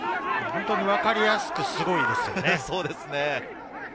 本当に分かりやすくすごいですよね。